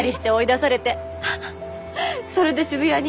ハハそれで渋谷に？